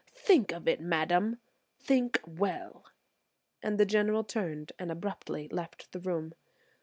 Think of it, madam; think well," and the General turned and abruptly left the room.